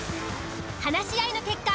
話し合いの結果